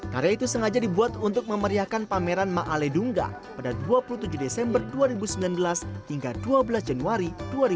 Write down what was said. karya itu sengaja dibuat untuk memeriahkan pameran ⁇ maaledungga pada dua puluh tujuh desember dua ribu sembilan belas hingga dua belas januari dua ribu dua puluh